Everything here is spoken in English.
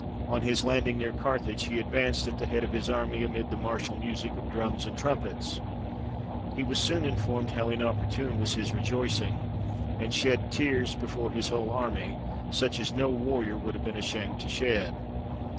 On his landing near Carthage, he advanced at the head of his army, amid the martial music of drums and trumpets. He was soon informed how inopportune was his rejoicing, and shed tears before his whole army, such as no warrior would have been ashamed to shed.